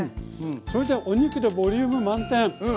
それでお肉でボリューム満点。